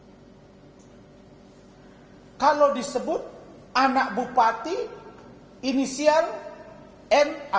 hai kalau disebut anak bupati inisial n a